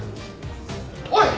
おい！